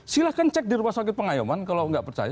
silahkan cek di rumah sakit pengayuman kalau tidak percaya